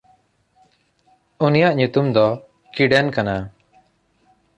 ᱩᱱᱤᱭᱟᱜ ᱧᱩᱛᱩᱢ ᱫᱚ ᱠᱤᱰᱮᱱ ᱠᱟᱱᱟ᱾